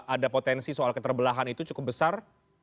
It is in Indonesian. ada potensi soal keterbelahan itu cukup besar